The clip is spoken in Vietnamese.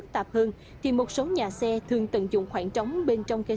tại họ hẹn hẹn qua bình an chỗ nào thôi